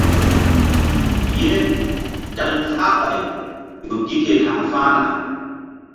Ye dal falɓay ƴo gi ke haŋfa̧hna.